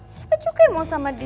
siapa juga yang mau sama dia